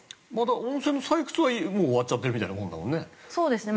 温泉の採掘は終わっちゃってるみたいなものだもんね。